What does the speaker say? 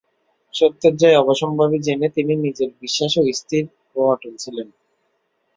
সত্যের জয় অবশ্যম্ভাবী জেনে তিনি নিজের বিশ্বাসে স্থির ও অটল ছিলেন।